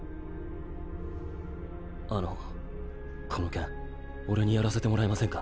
あのこのけんオレにやらせてもらえませんか？